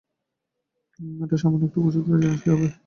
এটার সামান্য একটু খোঁচা খেলে, জানিস কী হবে?